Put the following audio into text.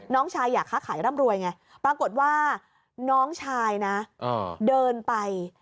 น้องชายอยากค้าขายร่ำรวยไงปรากฏว่าน้องชายนะเดินไป